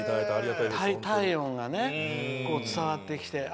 体温が伝わってきて。